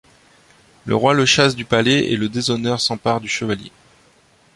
Le roi le chasse du palais et le déshonneur s’empare du chevalier.